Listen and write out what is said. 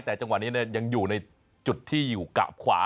แต่จังหวะนี้ยังอยู่ในจุดที่อยู่กะขวา